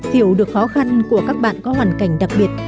hiểu được khó khăn của các bạn có hoàn cảnh đặc biệt